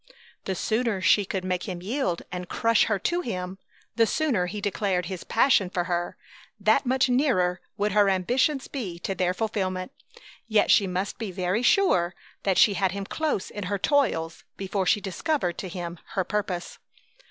The sooner she could make him yield and crush her to him, the sooner he declared his passion for her, that much nearer would her ambitions be to their fulfilment. Yet she must be very sure that she had him close in her toils before she discovered to him her purpose.